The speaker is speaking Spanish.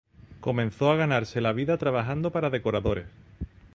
Comenzó a ganarse la vida trabajando para decoradores.